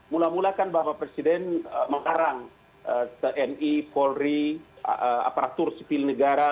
mula mula kan bapak presiden mengarang tni polri aparatur sipil negara